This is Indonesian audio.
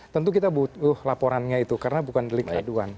tentu kita butuh laporannya itu karena bukan delik aduan